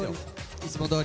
いつもどおり。